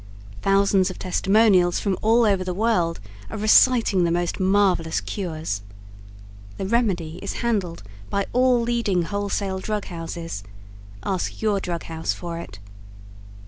Thousands of testimonials from all over the world are reciting the most marvelous cures. The remedy is handled by all leading wholesale drug houses. Ask your drug house for it.